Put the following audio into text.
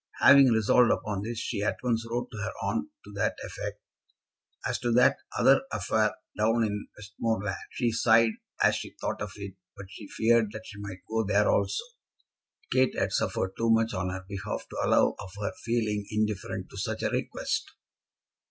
Having resolved upon this she at once wrote to her aunt to that effect. As to that other affair down in Westmoreland, she sighed as she thought of it, but she feared that she must go there also. Kate had suffered too much on her behalf to allow of her feeling indifferent to such a request.